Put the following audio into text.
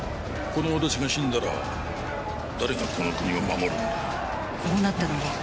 この私が死んだら誰がこの国を守るんだ？